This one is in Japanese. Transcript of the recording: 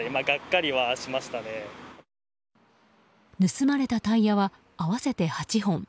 盗まれたタイヤは合わせて８本。